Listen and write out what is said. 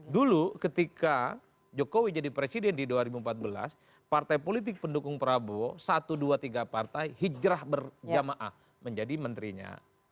dulu ketika jokowi jadi presiden di dua ribu empat belas partai politik pendukung prabowo satu dua tiga partai hijrah berjamaah menjadi menterinya